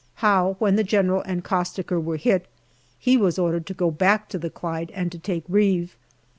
How, when the General and Costaker were hit, he was ordered to go back to the Clyde and to take Reave.